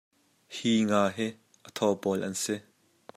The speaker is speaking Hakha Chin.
Hi nga hi a thaw pawl an si.